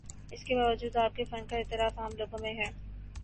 اس کے باوجود آپ کے فن کا اعتراف عام لوگوں میں ہے۔